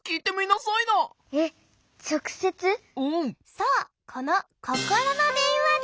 そうこのココロのでんわで！